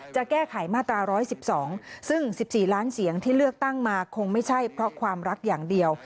จะแก้ไขมาตรา๑๑๒ซึ่ง๑๔ล้านเสียงที่เลือกตั้งมาคงไม่ใช่เพราะความรักอย่างเดียว